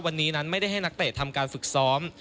วันนี้นั้นไม่ได้ให้นักเตะทำการฝึกซ้อม